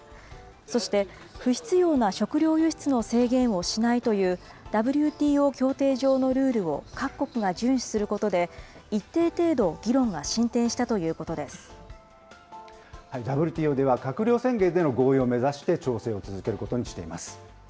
そして、不必要な食料輸出の制限をしないという、ＷＴＯ協定上のルールを各国が順守することで、一定程度、ＷＴＯでは、閣僚宣言での合意を目指して調整を続けることにしています。